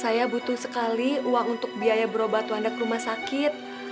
saya butuh sekali uang untuk biaya berobat anda ke rumah sakit